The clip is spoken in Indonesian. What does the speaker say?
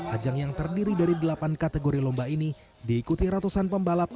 ajang yang terdiri dari delapan kategori lomba ini diikuti ratusan pembalap